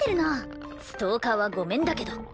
ストーカーはごめんだけど。